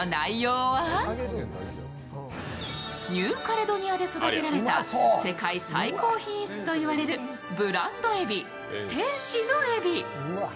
ニューカレドニアで育てられた世界最高品質といわれるブランドえび・天使の海老。